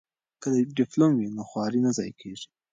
که ډیپلوم وي نو خواري نه ضایع کیږي.